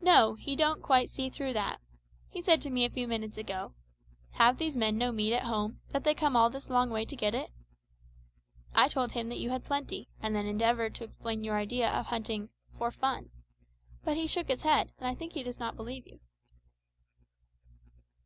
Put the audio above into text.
"No, he don't quite see through that. He said to me a few minutes ago, `Have these men no meat at home, that they come all this long way to get it?' I told him that you had plenty, and then endeavoured to explain your idea of hunting `for fun.' But he shook his head, and I think he does not believe you."